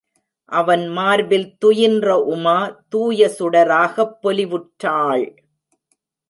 அவன் மார்பில் துயின்ற உமா தூய சுடராகப் பொலிவுற்றாள்!!